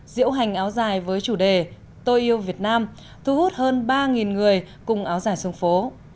diễu hành áo dài với chủ đề tôi yêu việt nam thu hút hơn ba người cùng áo dài sông phố